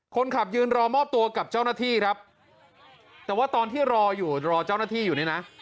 คนขับยืนรอมอบตัวกับเจ้าหน้าที่ครับแต่ว่าตอนที่รออยู่รอเจ้าหน้าที่อยู่นี่นะ